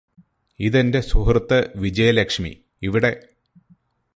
ഇതെന്റെ സുഹൃത്ത് വിജയലക്ഷ്മി ഇവിടെ